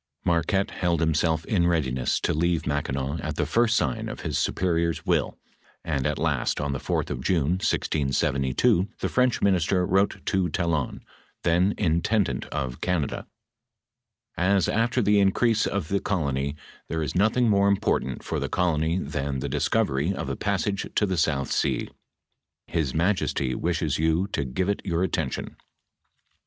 Marquette held himself in readiness to leave Mac kinaw at the first sign of his superior's will, and at last on the 4th of June, 1672, the French minister wrote to Talon, then intendant of Canada :" As after the increase of the colony there is nothing more important for the colony than the dis co^'^ry cf a passage to the south sea, his majesty wishes you ' to give it your attention."